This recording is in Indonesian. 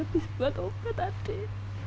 habis buat obat adik